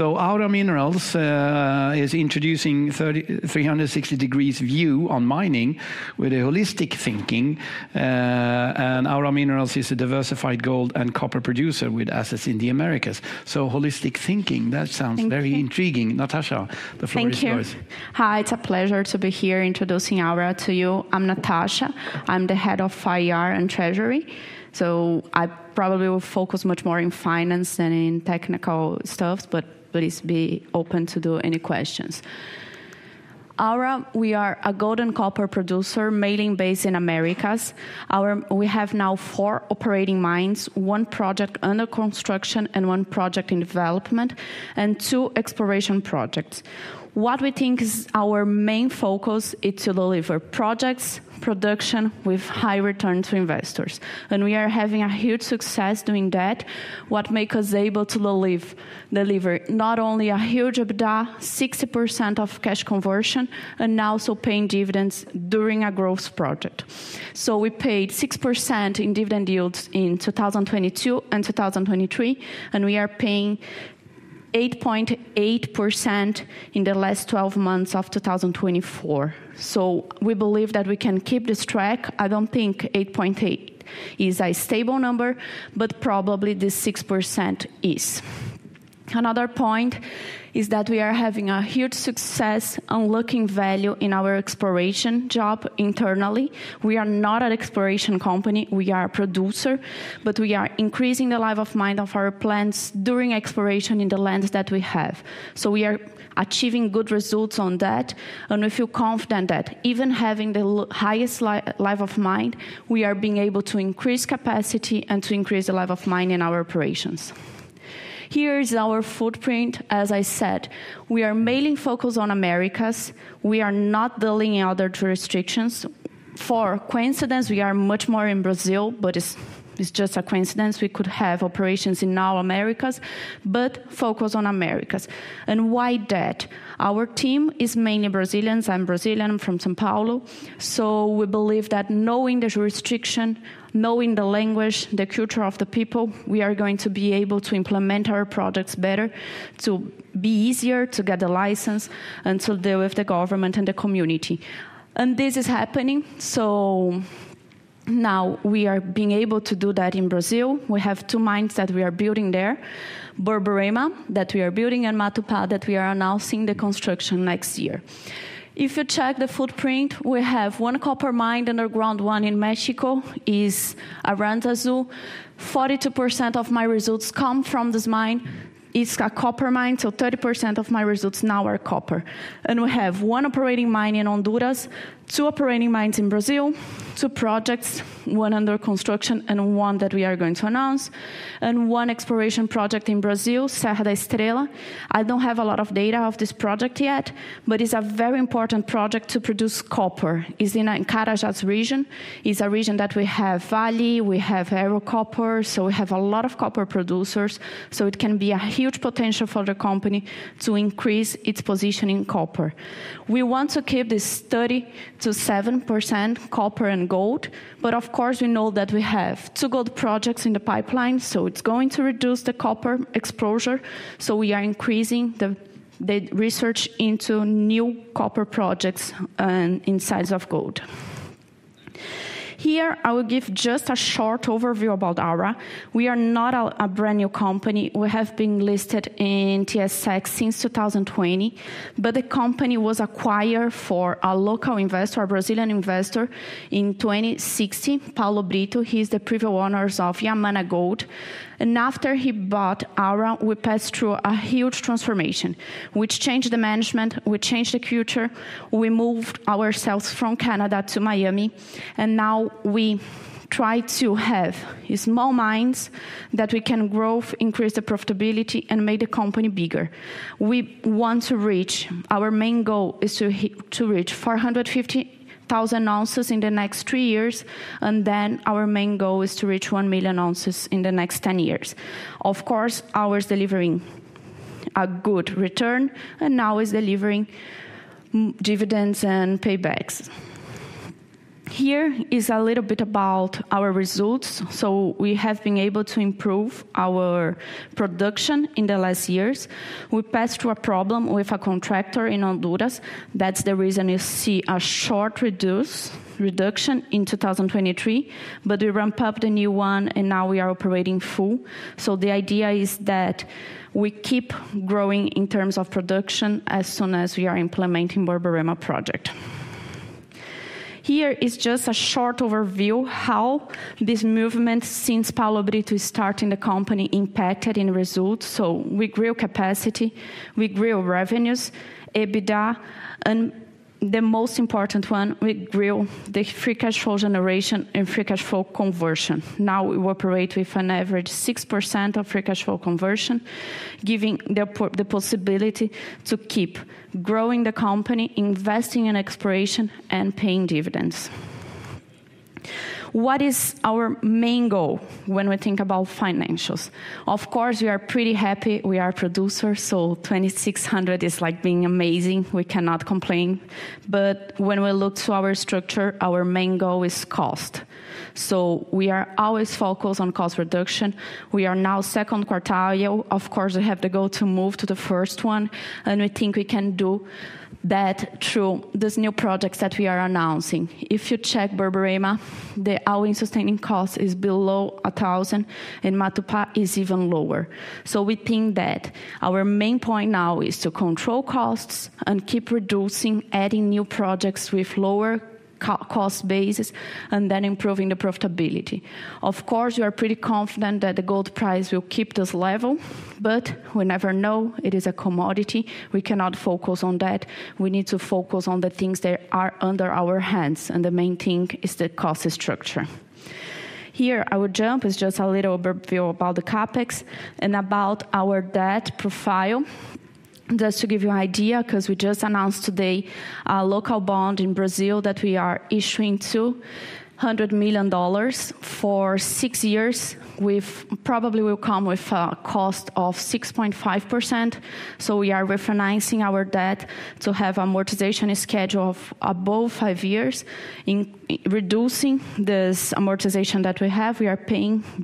Aura Minerals is introducing a 360-degree view on mining with a holistic thinking, and Aura Minerals is a diversified gold and copper producer with assets in the Americas. Holistic thinking, that sounds very intriguing. Natasha, the floor is yours. Thank you. Hi, it's a pleasure to be here introducing Aura to you. I'm Natasha. I'm the head of IR and Treasury, so I probably will focus much more on finance than on technical stuff, but please be open to any questions. Aura, we are a gold and copper producer, mainly based in the Americas. We have now four operating mines, one project under construction and one project in development, and two exploration projects. What we think is our main focus is to deliver projects, production with high returns to investors, and we are having a huge success doing that, what makes us able to deliver not only a huge EBITDA, 60% of cash conversion, and also paying dividends during a growth project, so we paid 6% in dividend yields in 2022 and 2023, and we are paying 8.8% in the last 12 months of 2024. So we believe that we can keep this track. I don't think 8.8% is a stable number, but probably this 6% is. Another point is that we are having a huge success on unlocking value in our exploration job internally. We are not an exploration company. We are a producer, but we are increasing the life of mine of our plants during exploration in the lands that we have. So we are achieving good results on that, and we feel confident that even having the highest life of mine, we are being able to increase capacity and to increase the life of mine in our operations. Here is our footprint. As I said, we are mainly focused on the Americas. We are not dealing in other jurisdictions. For coincidence, we are much more in Brazil, but it's just a coincidence. We could have operations in the Americas, but focus on the Americas. Why that? Our team is mainly Brazilians. I'm Brazilian from São Paulo. We believe that knowing the jurisdiction, knowing the language, the culture of the people, we are going to be able to implement our projects better, to be easier to get the license and to deal with the government and the community. This is happening. Now we are being able to do that in Brazil. We have two mines that we are building there, Borborema that we are building and Matupá that we are announcing the construction next year. If you check the footprint, we have one copper mine underground, one in Mexico, is Aranzazu. 42% of my results come from this mine. It's a copper mine, so 30% of my results now are copper. We have one operating mine in Honduras, two operating mines in Brazil, two projects, one under construction and one that we are going to announce, and one exploration project in Brazil, Serra da Estrela. I don't have a lot of data of this project yet, but it's a very important project to produce copper. It's in Carajás region. It's a region that we have Vale. We have Ero Copper. So we have a lot of copper producers. So it can be a huge potential for the company to increase its position in copper. We want to keep this 30%-70% copper and gold, but of course, we know that we have two gold projects in the pipeline. So it's going to reduce the copper exposure. So we are increasing the research into new copper projects and in sites of gold. Here, I will give just a short overview about Aura. We are not a brand new company. We have been listed in TSX since 2020, but the company was acquired by a local investor, a Brazilian investor, in 2016, Paulo Brito. He's the previous owner of Yamana Gold. After he bought Aura, we passed through a huge transformation, which changed the management. We changed the culture. We moved ourselves from Canada to Miami. Now we try to have small mines that we can grow, increase the profitability, and make the company bigger. We want to reach our main goal is to reach 450,000 ounces in the next three years. Then our main goal is to reach 1 million ounces in the next 10 years. Of course, we're delivering a good return and now we are delivering dividends and paybacks. Here is a little bit about our results. We have been able to improve our production in the last years. We passed through a problem with a contractor in Honduras. That's the reason you see a short reduction in 2023, but we ramp up the new one, and now we are operating full. The idea is that we keep growing in terms of production as soon as we are implementing the Borborema project. Here is just a short overview of how this movement since Paulo Brito started in the company impacted in results. We grew capacity, we grew revenues, EBITDA, and the most important one, we grew the free cash flow generation and free cash flow conversion. Now we operate with an average 6% of free cash flow conversion, giving the possibility to keep growing the company, investing in exploration, and paying dividends. What is our main goal when we think about financials? Of course, we are pretty happy we are a producer, so $2,600 is like being amazing. We cannot complain, but when we look to our structure, our main goal is cost, so we are always focused on cost reduction. We are now second quartile. Of course, we have the goal to move to the first one, and we think we can do that through these new projects that we are announcing. If you check Borborema, our sustaining cost is below $1,000, and Matupá is even lower, so we think that our main point now is to control costs and keep reducing, adding new projects with lower cost basis, and then improving the profitability. Of course, we are pretty confident that the gold price will keep this level, but we never know. It is a commodity. We cannot focus on that. We need to focus on the things that are under our hands, and the main thing is the cost structure. Here I will jump. It's just a little overview about the CapEx and about our debt profile. Just to give you an idea, because we just announced today a local bond in Brazil that we are issuing of $100 million for six years, which probably will come with a cost of 6.5%. So we are refinancing our debt to have amortization schedule of above five years, reducing this amortization that we have. We are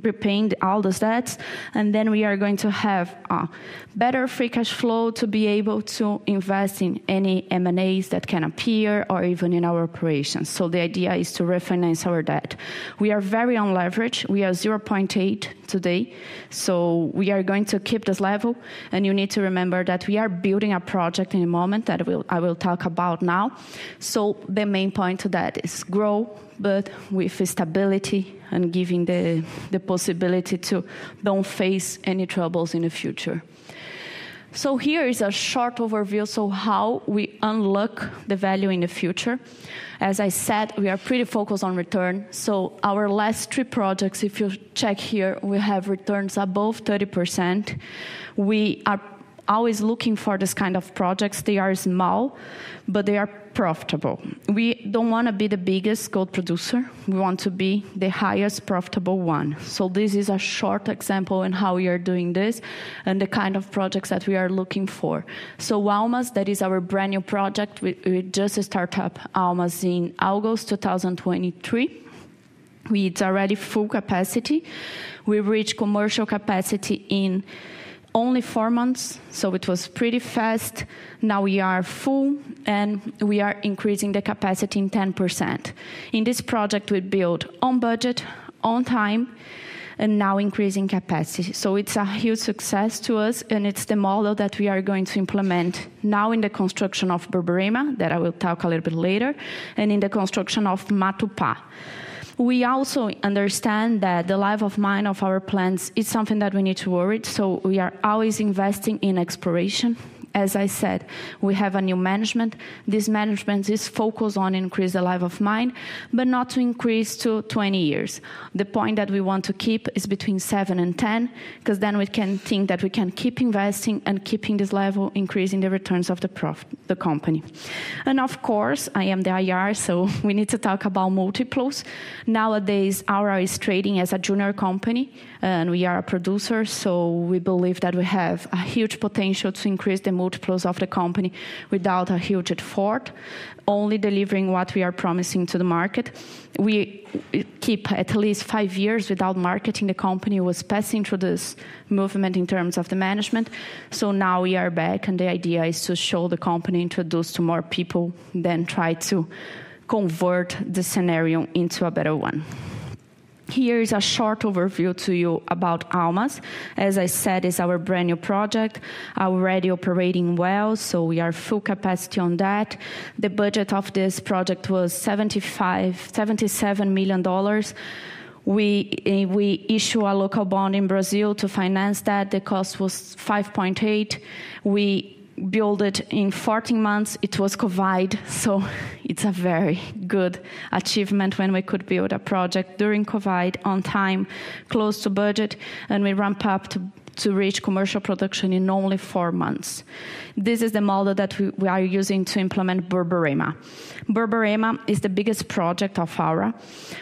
repaying all those debts, and then we are going to have a better free cash flow to be able to invest in any M&As that can appear or even in our operations. So the idea is to refinance our debt. We are very low on leverage. We are 0.8x today. We are going to keep this level. You need to remember that we are building a project in a moment that I will talk about now. The main point of that is grow, but with stability and giving the possibility to don't face any troubles in the future. Here is a short overview of how we unlock the value in the future. As I said, we are pretty focused on return. Our last three projects, if you check here, we have returns above 30%. We are always looking for this kind of projects. They are small, but they are profitable. We don't want to be the biggest gold producer. We want to be the highest profitable one. This is a short example on how we are doing this and the kind of projects that we are looking for. Almas, that is our brand new project. We just started up Almas in August 2023. We are already full capacity. We reached commercial capacity in only four months. It was pretty fast. Now we are full, and we are increasing the capacity in 10%. In this project, we build on budget, on time, and now increasing capacity. It's a huge success to us, and it's the model that we are going to implement now in the construction of Borborema that I will talk a little bit later and in the construction of Matupá. We also understand that the life of mine of our plants is something that we need to worry. We are always investing in exploration. As I said, we have a new management. This management is focused on increasing the life of mine, but not to increase to 20 years. The point that we want to keep is between seven and 10, because then we can think that we can keep investing and keeping this level, increasing the returns of the company, and of course, I am the IR, so we need to talk about multiples. Nowadays, Aura is trading as a junior company, and we are a producer, so we believe that we have a huge potential to increase the multiples of the company without a huge effort, only delivering what we are promising to the market. We keep at least five years without marketing the company. [The company] was passing through this movement in terms of the management, so now we are back, and the idea is to show the company introduced to more people, then try to convert the scenario into a better one. Here is a short overview to you about Almas. As I said, it's our brand new project. Already operating well, so we are full capacity on that. The budget of this project was $77 million. We issued a local bond in Brazil to finance that. The cost was 5.8%. We built it in 14 months. It was COVID, so it's a very good achievement when we could build a project during COVID on time, close to budget, and we ramp up to reach commercial production in only four months. This is the model that we are using to implement Borborema. Borborema is the biggest project of Aura.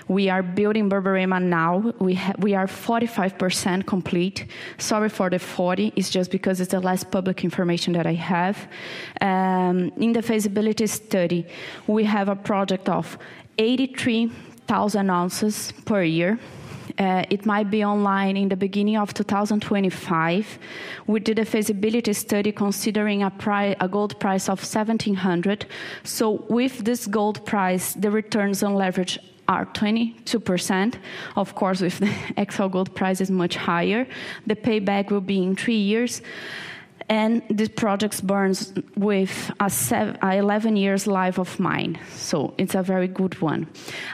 We are building Borborema now. We are 45% complete. Sorry for the 40%. It's just because it's the last public information that I have. In the feasibility study, we have a project of 83,000 ounces per year. It might be online in the beginning of 2025. We did a feasibility study considering a gold price of $1,700. So with this gold price, the returns on leverage are 22%. Of course, with the actual gold price is much higher. The payback will be in three years. And this project runs with an 11-year life of mine. So it's a very good one.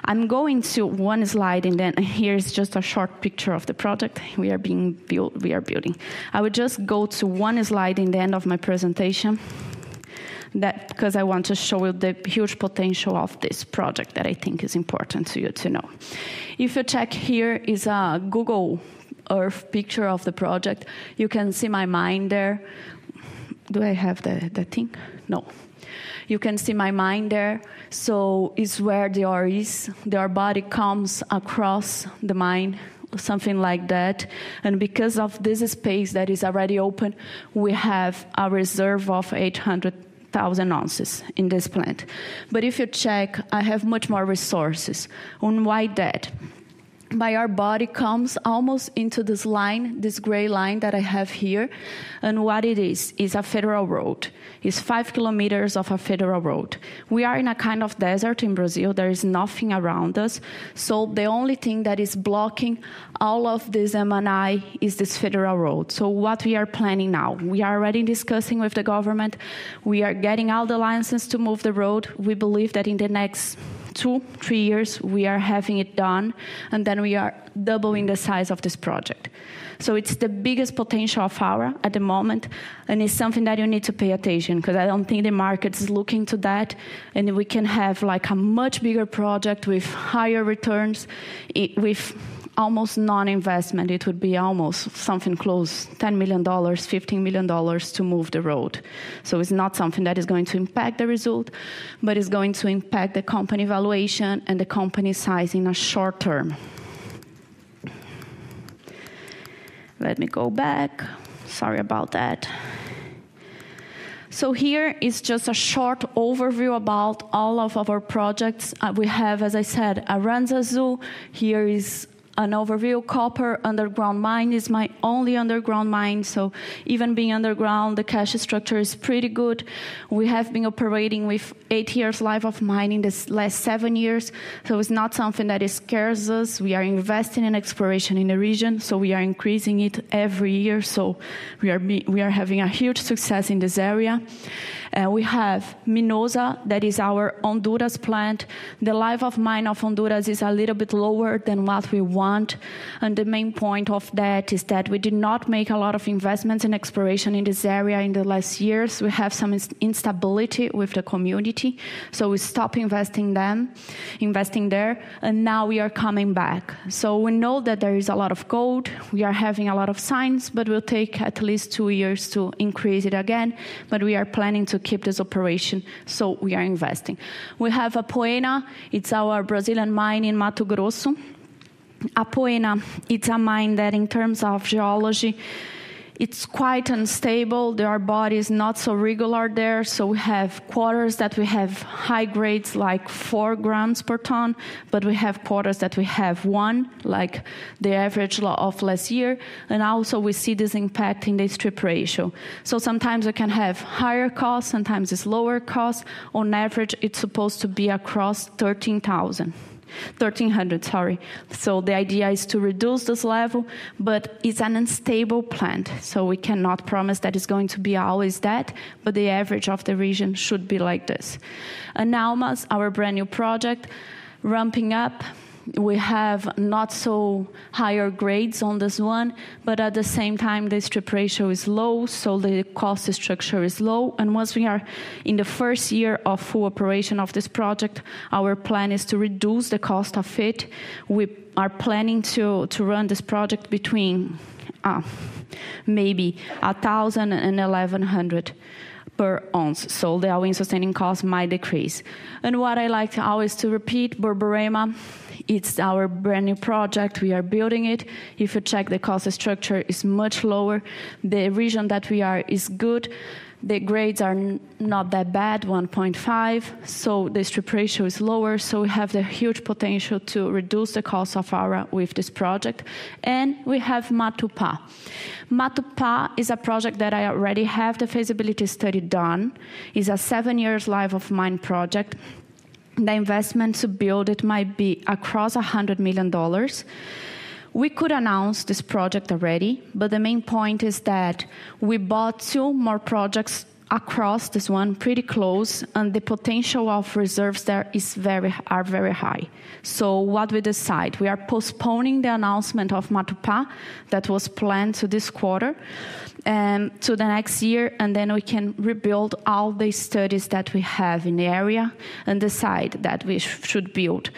I'm going to one slide, and then here is just a short picture of the project we are building. I will just go to one slide in the end of my presentation because I want to show you the huge potential of this project that I think is important to you to know. If you check here, it's a Google Earth picture of the project. You can see my mine there. Do I have the thing? No. You can see my mine there. So it's where the Aura is. The ore body comes across the mine, something like that. And because of this space that is already open, we have a reserve of 800,000 ounces in this plant. But if you check, I have much more resources. Oh, why that? Because our ore body comes almost into this line, this gray line that I have here. And what it is, is a federal road. It's five km of a federal road. We are in a kind of desert in Brazil. There is nothing around us. So the only thing that is blocking all of this M&I is this federal road. So what we are planning now, we are already discussing with the government. We are getting all the licenses to move the road. We believe that in the next two, three years, we are having it done, and then we are doubling the size of this project. It's the biggest potential of Aura at the moment, and it's something that you need to pay attention because I don't think the market is looking to that. And we can have a much bigger project with higher returns with almost non-investment. It would be almost something close to $10 million-$15 million to move the road. So it's not something that is going to impact the result, but it's going to impact the company valuation and the company size in the short term. Let me go back. Sorry about that. So here is just a short overview about all of our projects we have. As I said, Aranzazu, here is an overview. Copper underground mine is my only underground mine. So even being underground, the cash structure is pretty good. We have been operating with eight years' life of mine in the last seven years. So it's not something that scares us. We are investing in exploration in the region. So we are increasing it every year. So we are having a huge success in this area. We have MINOSA. That is our Honduras plant. The life of mine of Honduras is a little bit lower than what we want. And the main point of that is that we did not make a lot of investments in exploration in this area in the last years. We have some instability with the community. So we stopped investing there. And now we are coming back. So we know that there is a lot of gold. We are having a lot of signs, but we'll take at least two years to increase it again. But we are planning to keep this operation. So we are investing. We have Apoena. It's our Brazilian mine in Mato Grosso. Apoena, it's a mine that in terms of geology, it's quite unstable. The ore body is not so regular there. So we have quarters that we have high grades, like four grams per ton, but we have quarters that we have one, like the average grade of last year. And also we see this impact in the strip ratio. So sometimes we can have higher costs, sometimes it's lower costs. On average, it's supposed to be across $1,300. So the idea is to reduce this level, but it's an unstable orebody. So we cannot promise that it's going to be always that, but the average of the region should be like this. And now our brand new project ramping up. We have not so higher grades on this one, but at the same time, the strip ratio is low. So the cost structure is low. Once we are in the first year of full operation of this project, our plan is to reduce the cost of it. We are planning to run this project between maybe 1,000 and 1,100 per ounce. The sustaining cost might decrease. What I like to always to repeat, Borborema, it's our brand new project. We are building it. If you check, the cost structure is much lower. The region that we are is good. The grades are not that bad, 1.5. The strip ratio is lower. We have the huge potential to reduce the cost of Aura with this project. We have Matupá. Matupá is a project that I already have the feasibility study done. It's a seven years' life of mine project. The investment to build it might be across $100 million. We could announce this project already, but the main point is that we bought two more projects across this one, pretty close, and the potential of reserves there is very high. What we decide, we are postponing the announcement of Matupá that was planned to this quarter to the next year, and then we can rebuild all the studies that we have in the area and decide that we should build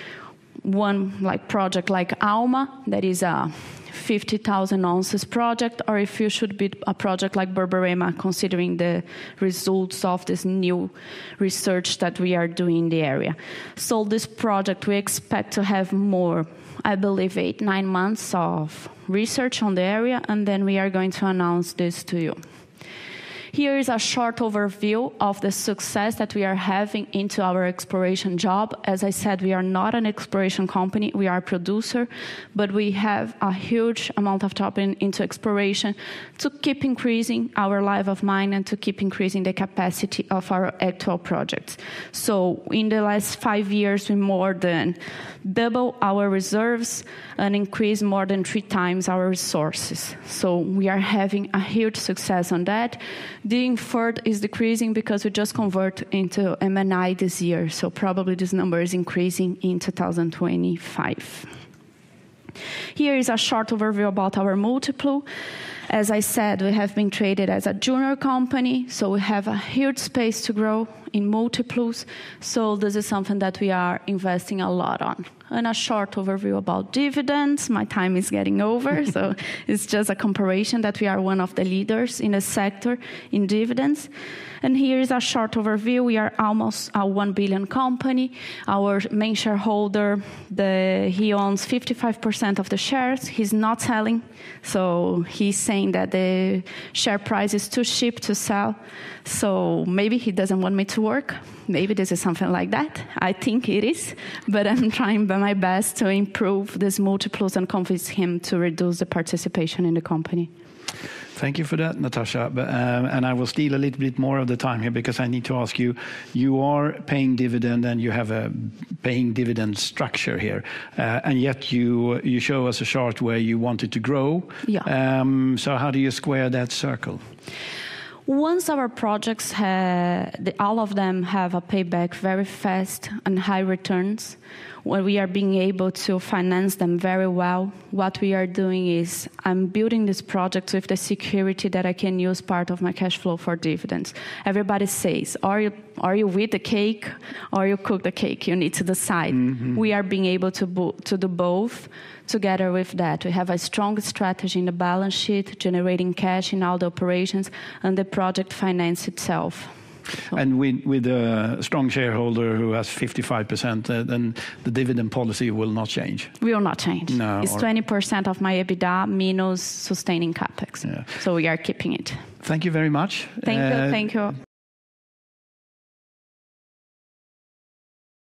one project like Almas, that is a 50,000 ounces project, or if you should be a project like Borborema, considering the results of this new research that we are doing in the area. This project, we expect to have more, I believe, eight, nine months of research on the area, and then we are going to announce this to you. Here is a short overview of the success that we are having into our exploration job. As I said, we are not an exploration company. We are a producer, but we have a huge amount of topic into exploration to keep increasing our life of mine and to keep increasing the capacity of our actual projects. So in the last five years, we more than double our reserves and increase more than three times our resources. So we are having a huge success on that. The effort is decreasing because we just convert into M&A this year. So probably this number is increasing in 2025. Here is a short overview about our multiple. As I said, we have been traded as a junior company. So we have a huge space to grow in multiples. So this is something that we are investing a lot on. And a short overview about dividends. My time is getting over. So it's just a comparison that we are one of the leaders in the sector in dividends. And here is a short overview. We are almost a $1 billion company. Our main shareholder, he owns 55% of the shares. He's not selling. So he's saying that the share price is too cheap to sell. So maybe he doesn't want me to work. Maybe this is something like that. I think it is, but I'm trying my best to improve these multiples and convince him to reduce the participation in the company. Thank you for that, Natasha. And I will steal a little bit more of the time here because I need to ask you. You are paying dividend and you have a paying dividend structure here. And yet you show us a chart where you wanted to grow. So how do you square that circle? Once our projects, all of them have a payback very fast and high returns, when we are being able to finance them very well, what we are doing is I'm building this project with the security that I can use part of my cash flow for dividends. Everybody says, are you with the cake or you cook the cake? You need to decide. We are being able to do both. Together with that, we have a strong strategy in the balance sheet, generating cash in all the operations and the project finance itself. And with a strong shareholder who has 55%, then the dividend policy will not change. We will not change. It's 20% of my EBITDA minus sustaining CapEx. So we are keeping it. Thank you very much. Thank you. Thank you.